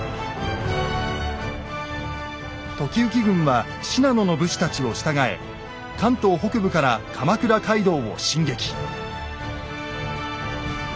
時行軍は信濃の武士たちを従え関東北部から鎌倉街道を進撃。